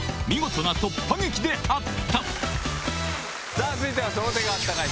さぁ続いては。